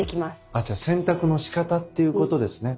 あっじゃあ選択の仕方っていうことですね。